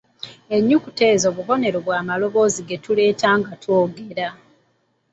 Ennukuta ezo bubonero bw'amaloboozi ge tuleeta nga twogera.